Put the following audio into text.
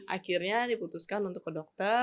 akhirnya diputuskan untuk ke dokter